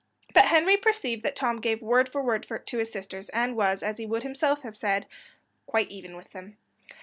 But Henry perceived that Tom gave word for word to his sisters, and was, as he would himself have said, "quite even with them."